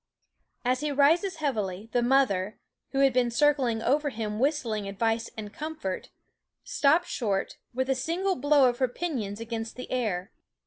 As he rises heavily the mother, who has been circling over him whistling THE WOODS advice and comfort, stops short, with a single blow of her pinions against the air.